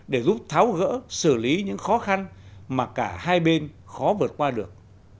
để giúp tháo gỡ xử lý những khó khăn mà cả hai bên khó vượt qua được